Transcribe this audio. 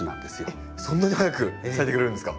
えっそんなに早く咲いてくれるんですか？